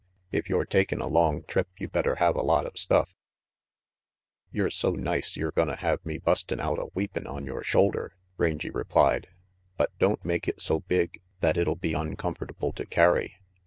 If you're takin' a long trip, you better have a lot of stuff." "Yer so nice, yer gonna have me bustin' out a weepin' on yore shoulder," Rangy replied, "but don't make it so big that it'll be oncomfortable to carry.